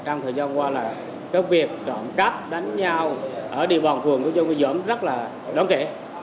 trong thời gian qua là cái việc trọng cấp đánh nhau ở địa bàn phường của dân quý giống rất là đáng kể